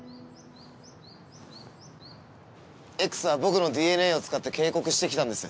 Ｘは僕のＤＮＡを使って警告してきたんです。